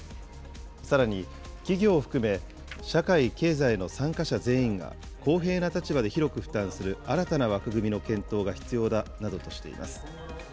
さらに、企業を含め社会・経済の参加者全員が公平な立場で広く負担する新たな枠組みの検討が必要だなどとしています。